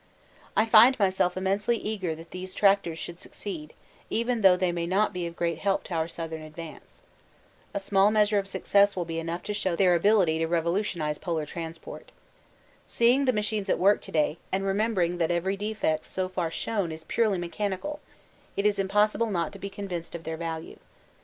I find myself immensely eager that these tractors should succeed, even though they may not be of great help to our southern advance. A small measure of success will be enough to show their possibilities, their ability to revolutionise Polar transport. Seeing the machines at work to day, and remembering that every defect so far shown is purely mechanical, it is impossible not to be convinced of their value.